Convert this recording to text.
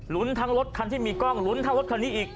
ทั้งรถคันที่มีกล้องลุ้นเท่ารถคันนี้อีก